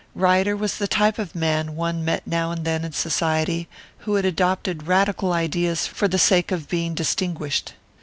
Ryder was the type of man one met now and then in Society, who had adopted radical ideas for the sake of being distinguished.